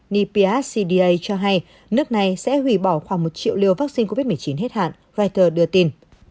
nipia c d a cho hay nước này sẽ hủy bỏ khoảng một triệu liều vaccine covid một mươi chín hết hạn reuters đưa tin